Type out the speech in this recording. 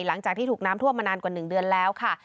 หลังจากที่ถูกน้ำท่วมมานานกว่า๑เดือนแล้วค่ะ